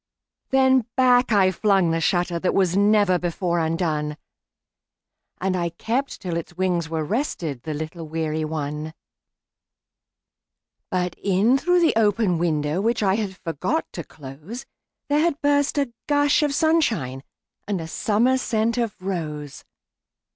Then back I flung the shutterThat was never before undone, And I kept till its wings were restedThe little weary one. But in through the open window, Which I had forgot to close, There had burst a gush of sunshineAnd a summer scent of rose.